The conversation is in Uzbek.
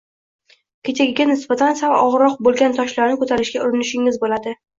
kechagiga nisbatan sal og’irroq bo’lgan toshlarni ko’tarishga urinishingiz bo’ladi